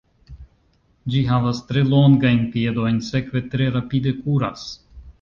Ĝi havas tre longajn piedojn, sekve tre rapide kuras.